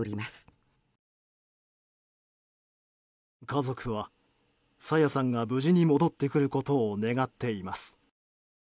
家族は、朝芽さんが無事に戻ってくることを願っています。